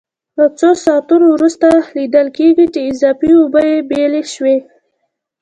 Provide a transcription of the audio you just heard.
له څو ساعتونو وروسته لیدل کېږي چې اضافي اوبه یې بېلې شوې.